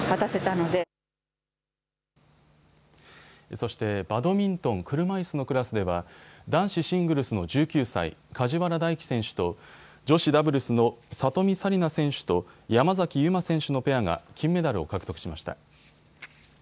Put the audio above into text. そしてバドミントン車いすのクラスでは男子シングルスの１９歳、梶原大暉選手と女子ダブルスの里見紗李奈選手と山崎悠麻選手のペアが金メダルを獲得しました。